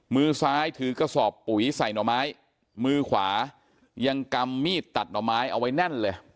มือซ้ายถือกระสอบปุ๋ยใส่หน่อไม้มือขวายังกำมีดตัดหน่อไม้เอาไว้แน่นเลย